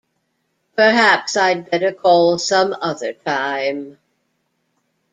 Perhaps I'd better call some other time.